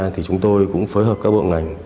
thì chúng tôi cũng phối hợp các bộ ngành